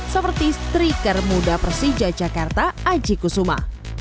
seperti striker muda persija jakarta aji kusuma